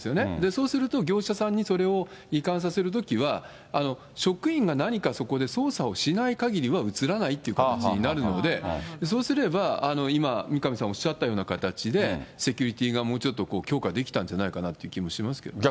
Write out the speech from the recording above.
そうすると業者さんにそれを移管させるときは、職員が何かそこで操作をしないかぎりは移らないという形になるので、そうすれば今、三上さんおっしゃったような形で、セキュリティーがもうちょっと、強化できたんじゃないかなって気もしますけどね。